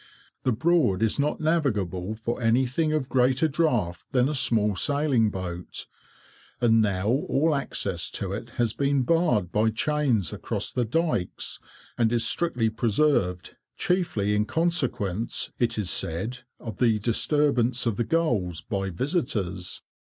The Broad is not navigable for anything of greater draught than a small sailing boat; and now all access to it has been barred by chains across the dykes, and it is strictly preserved, chiefly in consequence, it is said, of the disturbance of the gulls by visitors.